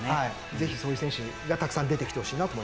ぜひそういう選手がたくさん出てきてほしいなと思いますね。